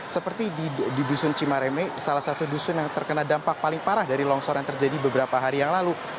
seperti di dusun cimareme salah satu dusun yang terkena dampak paling parah dari longsor yang terjadi beberapa hari yang lalu